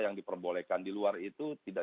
yang diperbolehkan di luar itu tidak